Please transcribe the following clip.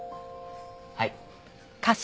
はい。